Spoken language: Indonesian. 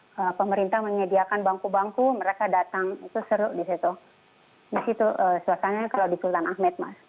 di situ suasananya kalau di sultan ahmed mas